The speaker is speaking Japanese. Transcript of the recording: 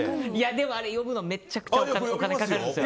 あれ呼ぶのめちゃくちゃお金かかるんです。